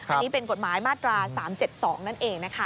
อันนี้เป็นกฎหมายมาตรา๓๗๒นั่นเองนะคะ